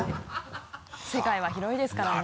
世界は広いですからね。